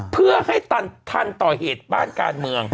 เพื่อให้ทันต่อเหตุบ้านการเมือง